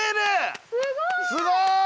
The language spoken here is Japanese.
すごい！